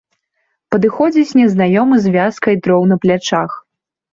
Падыходзіць незнаёмы з вязкай дроў на плячах.